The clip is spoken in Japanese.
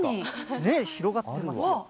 広がっています。